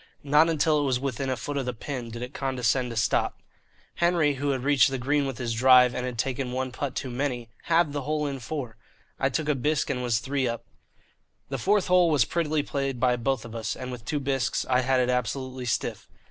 Not until it was within a foot of the pin did it condescend to stop. Henry, who had reached the green with his drive and had taken one putt too many, halved the hole in four. I took a bisque and was three up. The fourth hole was prettily played by both of us, and with two bisques I had it absolutely stiff.